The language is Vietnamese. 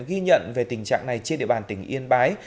ghi nhận về tình trạng này trên địa bàn tỉnh yên bái